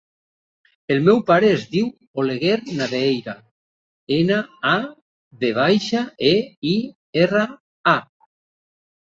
El meu pare es diu Oleguer Naveira: ena, a, ve baixa, e, i, erra, a.